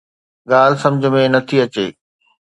ڳالهه سمجهه ۾ نٿي اچي